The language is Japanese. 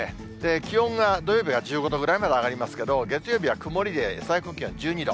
気温が土曜日が１５度ぐらいまで上がりますけど、月曜日は曇りで、最高気温１２度。